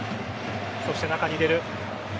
そして中に入れる。